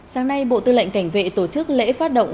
sáng nay bộ tư lệnh cảnh vệ tổ chức lễ phát động